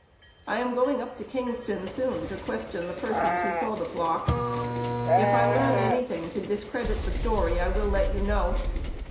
I am going up to Kingston soon to question the persons who saw the flock. If I learn anything to discredit the story I will let you know.